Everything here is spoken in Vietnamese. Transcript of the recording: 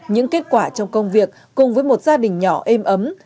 những kết quả trong công việc cùng với một gia đình nhỏ êm ấm